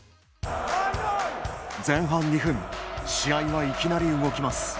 前半２分試合は、いきなり動きます。